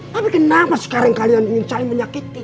tapi kenapa sekarang kalian ingin saling menyakiti